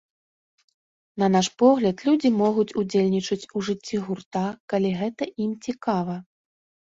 На наш погляд, людзі могуць удзельнічаць у жыцці гурта, калі гэта ім цікава.